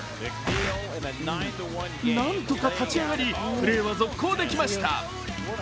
何とか立ち上がり、プレーは続行できました。